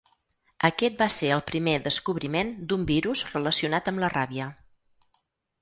Aquest va ser el primer descobriment d'un virus relacionat amb la ràbia.